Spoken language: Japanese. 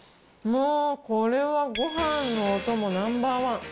もうこれは、ごはんのお供ナンバーワン。